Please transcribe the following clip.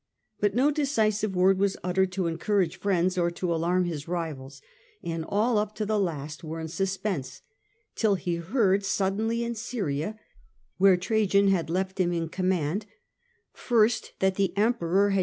But no decisive word was uttered to encourage friends or to alaim his rivals, His sudden were in suspense, till he heard suddenly in Syria, where Trajan had caused ugly left him in command, first, that the emperor rumours.